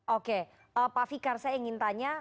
oke pak fikar saya ingin tanya